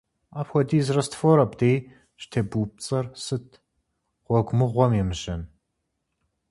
Апхуэдиз раствор абдей щӀытебупцӀэр сыт, гъуэгу мыгъуэм емыжьэн?!